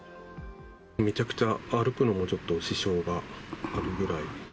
めちゃくちゃ、歩くのもちょっと支障があるぐらい。